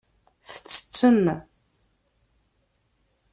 Tettettem.